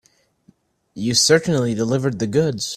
You certainly delivered the goods.